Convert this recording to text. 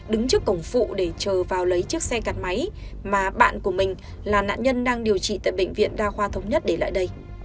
đứng trước cổng phụ để chờ vào lấy chiếc xe cặt máy mà bạn của mình là nạn nhân đang điều trị tại bệnh viện đa khoa thống nhất để lại đây